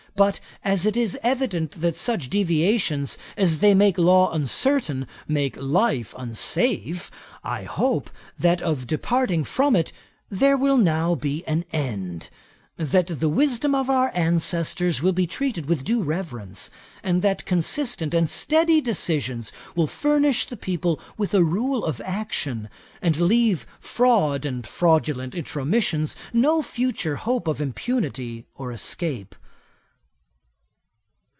But, as it is evident that such deviations, as they make law uncertain, make life unsafe, I hope, that of departing from it there will now be an end; that the wisdom of our ancestors will be treated with due reverence; and that consistent and steady decisions will furnish the people with a rule of action, and leave fraud and fraudulent intromission no future hope of impunity or escape.'